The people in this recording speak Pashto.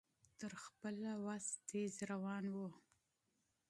تر خپلې وسې تېز روان و.